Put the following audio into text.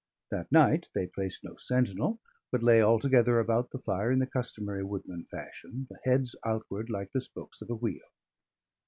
That night they placed no sentinel, but lay altogether about the fire, in the customary woodman fashion, the heads outward, like the spokes of a wheel.